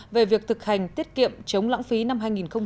về việc thực hành tiết kiệm chống lãng phí năm hai nghìn một mươi sáu